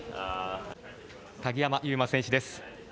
鍵山優真選手です。